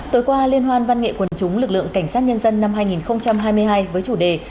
tối qua liên hoan văn nghệ quần chúng lực lượng cảnh sát nhân dân năm hai nghìn hai mươi hai với chủ đề